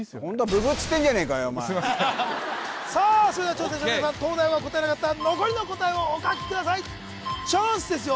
すいませんそれでは挑戦者の皆さん東大王が答えなかった残りの答えをお書きくださいチャンスですよ